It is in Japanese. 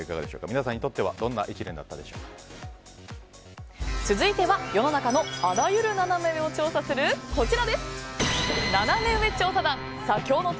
皆さんにとっては続いては世の中のあらゆるナナメ上を調査するこちら。